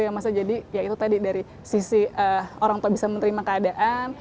gak murah gitu ya jadi ya itu tadi dari sisi orangtua bisa menerima keadaan